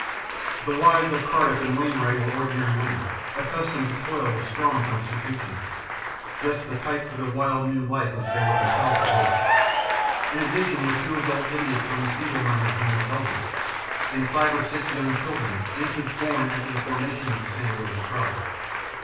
"The wives of Cardiff and Wainwright were ordinary women, accustomed to toil with strong constitutions just the type for the wild new life which they were compelled to live. In addition were two adult idiots from the feeble minded home at Eldredge, and five or six young children and infants born after the formation of the Santa Rosa Tribe.